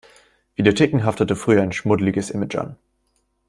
Videotheken haftete früher ein schmuddeliges Image an.